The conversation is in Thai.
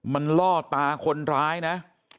มันล่อตาคนร้ายนะ